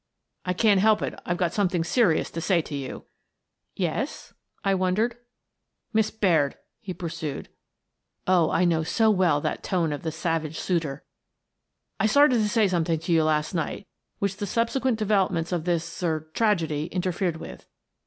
"I can't help it, I've got something serious to say to you." "Yes?" I wondered. " Miss Baird," he pursued — oh, I know so well that tone of the savage suitor !— "I started to say something to you last night which the subsequent developments of this — er — tragedy interfered with.